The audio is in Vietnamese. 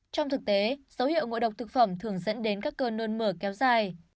trong thực tế dấu hiệu ngộ độc thực phẩm thường dẫn đến các cơn nôn mở kéo dài